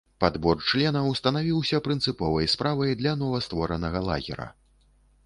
Падбор членаў станавіўся прынцыповай справай для новастворанага лагера.